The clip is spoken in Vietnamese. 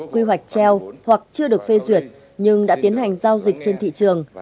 quy hoạch treo hoặc chưa được phê duyệt nhưng đã tiến hành giao dịch trên thị trường